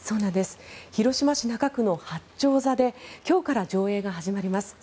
広島市中区の八丁座で今日から上映が始まります。